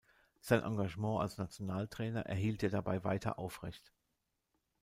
Sein Engagement als Nationaltrainer erhielt er dabei weiter aufrecht.